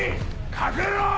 隠れろ！